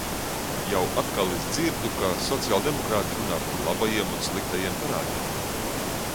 Jau atkal es dzirdu, ka sociāldemokrāti runā par labajiem un sliktajiem parādiem.